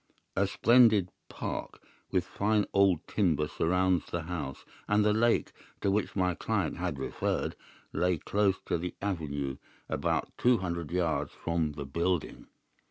A splendid park with fine old timber surrounds the house, and the lake, to which my client had referred, lay close to the avenue, about two hundred yards from the building.